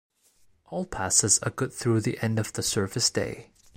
All passes are good through the end of the service day.